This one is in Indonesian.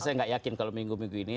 saya nggak yakin kalau minggu minggu ini